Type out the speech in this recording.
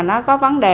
nó có vấn đề